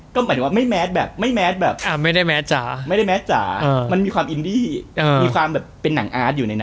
ก็หมายถึงว่าไม่แมทแบบไม่ได้แมทจ๋ามันมีความอินดีมีความแบบเป็นหนังอาร์ตอยู่ในนั้น